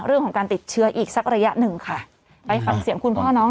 เรื่องของการติดเชื้ออีกสักระยะหนึ่งค่ะไปฟังเสียงคุณพ่อน้อง